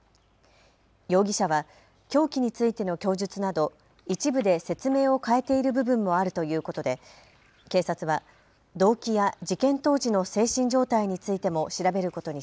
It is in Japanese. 容疑者は凶器についての供述など一部で説明を変えている部分もあるということで警察は動機や事件当時の精神状態についても調べることに